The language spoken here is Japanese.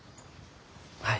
はい。